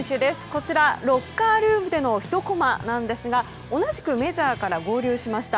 こちら、ロッカールームでのひとコマなんですが同じくメジャーから合流しました